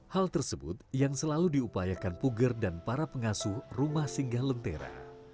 hal tersebut yang selalu diupayakan puger dan para pengasuh rumah singgah lentera